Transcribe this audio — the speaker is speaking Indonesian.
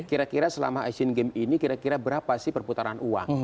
kira kira selama asian games ini kira kira berapa sih perputaran uang